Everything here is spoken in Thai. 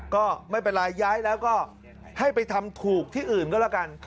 ก็ไม่เป็นไรย้ายแล้วก็ให้ไปทำถูกที่อื่นก็แล้วกัน